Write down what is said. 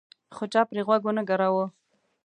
خو چا پرې غوږ ونه ګراوه.